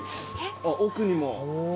あっ奥にも。